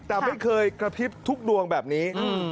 แต่ไม่เคยกระพริบทุกดวงแบบนี้